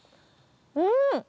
うん！